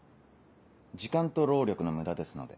時間と労力の無駄ですので。